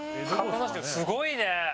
すごいね！